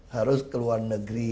harus keluar negeri